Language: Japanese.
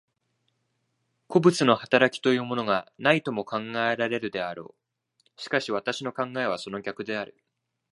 個物の働きというものがないとも考えられるであろう。しかし私の考えはその逆である。